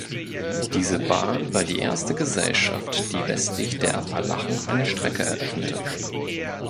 Diese Bahn war die erste Gesellschaft, die westlich der Appalachen eine Strecke eröffnete.